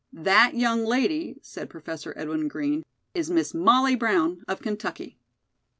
"That young lady," said Professor Edwin Green, "is Miss Molly Brown, of Kentucky."